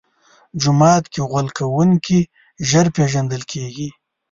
جومات کې غول کوونکی ژر پېژندل کېږي.